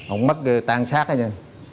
ổng mất tan sát đó nha